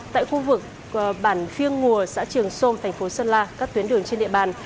tại khu vực bản phiêng ngùa xã trường sơn thành phố sơn la các tuyến đường trên địa bàn